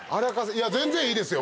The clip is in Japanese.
いや全然いいですよ